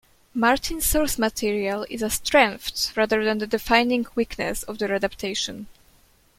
Martin's source material is a strength rather than the defining weakness of their adaptation.